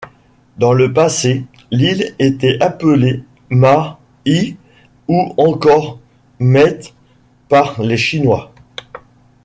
Dans le passé, l'île était appelée Ma-I ou encore Mait par les chinois.